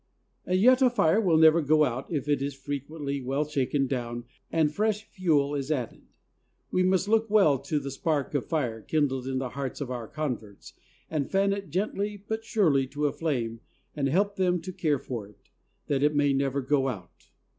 And yet a fire will never go out if it is frequently well shaken down and fresh fuel is added. We must look well to the spark of fire kindled in the hearts of our converts, and fan it gently but surely to a flame and help them to care for it, that it may never go out.